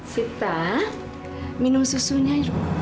sita minum susunya